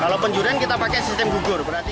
kalau penjurian kita pakai sistem gugur